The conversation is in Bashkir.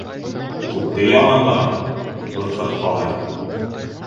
Күпте яманлаған дуҫһыҙ ҡалыр.